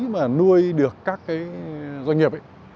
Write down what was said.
mà nuôi được các cái doanh nghiệp ấy